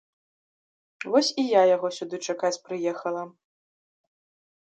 Вось і я яго сюды чакаць прыехала.